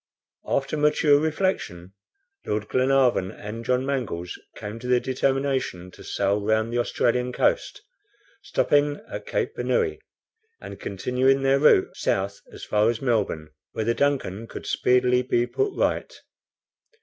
After mature reflection, Lord Glenarvan and John Mangles came to the determination to sail round the Australian coast, stopping at Cape Bernouilli, and continuing their route south as far as Melbourne, where the DUNCAN could speedily be put right.